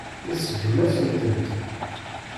Iseggem-asent-tent.